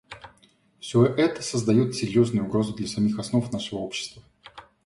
Все это создает серьезную угрозу для самих основ нашего общества.